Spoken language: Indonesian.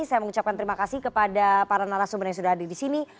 saya mengucapkan terima kasih kepada para narasumber yang sudah hadir di sini